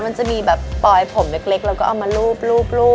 มันจะมีแบบปลอยผมเล็กแล้วก็เอามารูป